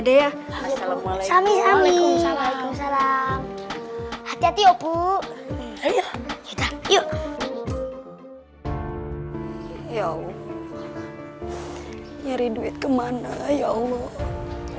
deh ya assalamualaikum waalaikumsalam hati hati opo yuk yuk yuk yuk nyari duit kemana ya allah